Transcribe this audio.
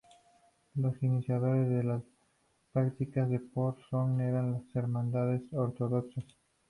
Los iniciadores de las prácticas de part song eran las hermandades ortodoxas.